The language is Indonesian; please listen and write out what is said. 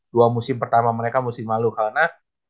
dua musim pertama mereka musim malu karena